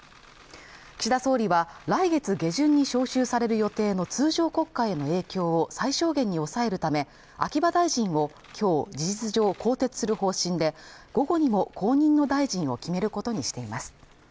岸田総理は来月下旬に召集される予定の通常国会への影響を最小限に抑えるため秋葉大臣をきょう事実上更迭する方針で午後にも後任の大臣を決めることにしています